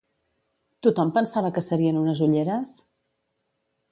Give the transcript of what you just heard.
Tothom pensava que serien unes ulleres?